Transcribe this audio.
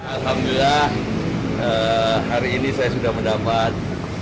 alhamdulillah hari ini saya sudah mendapat